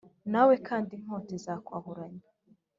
nawe kandi inkota izakwahuranya